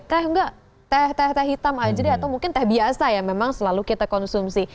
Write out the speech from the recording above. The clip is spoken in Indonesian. teh enggak teh teh hitam aja deh atau mungkin teh biasa yang memang selalu kita konsumsi